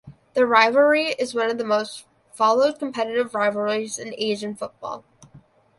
The rivalry is one of the most followed competitive rivalries in Asian football.